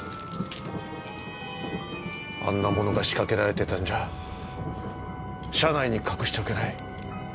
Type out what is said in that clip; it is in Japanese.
あんな物が仕掛けられてたんじゃ車内に隠しておけない。